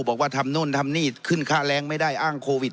บอกว่าทำนู่นทำนี่ขึ้นค่าแรงไม่ได้อ้างโควิด